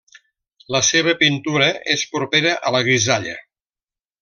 La seva pintura és propera a la grisalla.